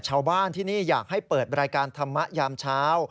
ชาวบ้านที่นี่อยากให้เปิดรายการธรรมะยามเช้า